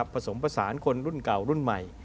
ผสมผสานคนรุ่นเก่ารุ่นใหม่